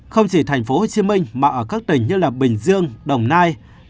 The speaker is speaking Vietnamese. không chỉ thành phố hồ chí minh mà ở các tỉnh như bình dương đồng nai